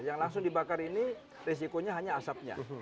yang langsung dibakar ini risikonya hanya asapnya